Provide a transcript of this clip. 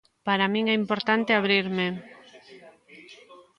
Para min é importante abrirme.